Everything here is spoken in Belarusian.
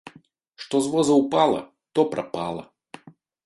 Што з воза ўпала, то прапала!